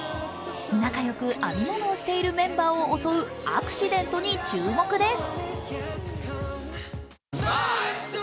仲良く編み物をしているメンバーを襲うアクシデントに注目です。